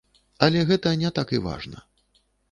Але гэта не так і важна.